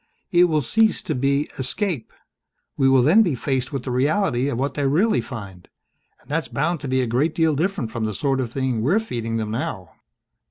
It will cease to be escape. We will then be faced with the reality of what they really find and that's bound to be a great deal different from the sort of thing we're feeding them now."